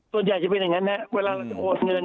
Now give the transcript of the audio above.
ส่วนใหญ่จะเย็นไงนะเว้นเวลาเราจะโอนเงิน